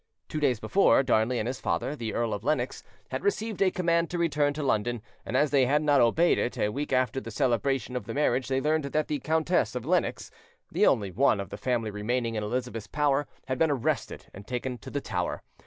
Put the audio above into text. Two days before, Darnley and his father, the Earl of Lennox, had received a command to return to London, and as they had not obeyed it, a week after the celebration of the marriage they learned that the Countess of Lennox, the only one of the family remaining in Elizabeth's power, had been arrested and taken to the Tower.